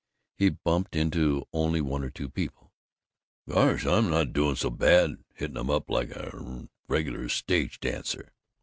He bumped into only one or two people. "Gosh, I'm not doing so bad; hittin' 'em up like a regular stage dancer!"